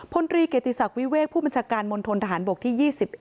พลตรีเกียรติศักดิ์วิเวกผู้บัญชาการมณฑนทหารบกที่๒๑